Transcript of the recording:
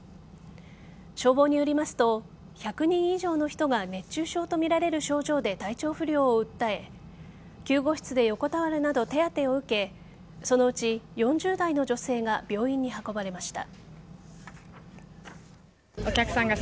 消防によりますと１００人以上の人が熱中症とみられる症状で体調不良を訴え救護室で横たわるなど手当てを受けそのうち４０代の女性が病院に運ばれました。